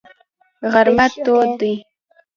غرمه تود دی.